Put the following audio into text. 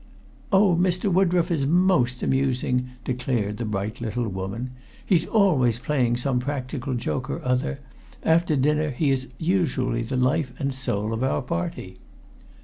"Oh! Mr. Woodroffe is most amusing," declared the bright little woman. "He's always playing some practical joke or other. After dinner he is usually the life and soul of our party."